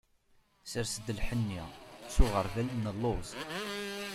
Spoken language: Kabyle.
Sers-d lḥenni, s uɣerbal n lluz.